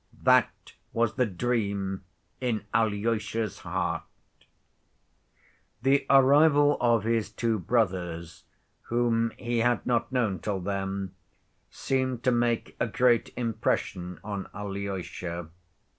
That was the dream in Alyosha's heart. The arrival of his two brothers, whom he had not known till then, seemed to make a great impression on Alyosha.